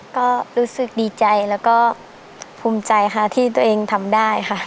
ก็รู้สึกดีใจแล้วก็ภูมิใจค่ะที่ตัวเองทำได้ค่ะ